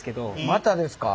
「またですか」